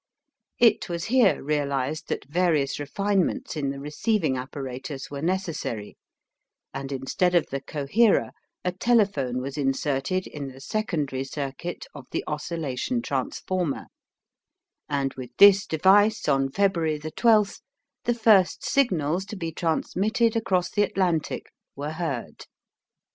It was here realized that various refinements in the receiving apparatus were necessary, and instead of the coherer a telephone was inserted in the secondary circuit of the oscillation transformer, and with this device on February 12th the first signals to be transmitted across the Atlantic were heard.